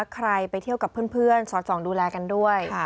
ใครไปเที่ยวกับเพื่อนสอดส่องดูแลกันด้วย